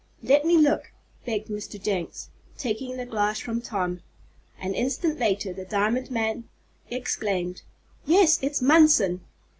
"Let me look!" begged Mr. Jenks, taking the glass from Tom. An instant later the diamond man exclaimed: "Yes, it's Munson!"